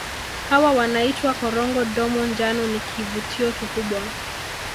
Hawa wanaitwa Korongo Domo njano ni kivutio kikubwa